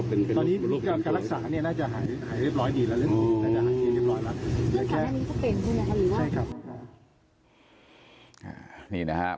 ตอนนี้การรักษาเนี่ยน่าจะหายเรียบร้อยดีแล้วเรื่องนี้น่าจะหายดีเรียบร้อยแล้ว